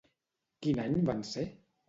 Quin any van ser?